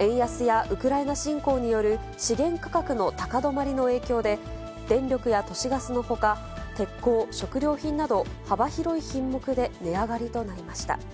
円安やウクライナ侵攻による資源価格の高止まりの影響で、電力や都市ガスのほか、鉄鋼、食料品など幅広い品目で値上がりとなりました。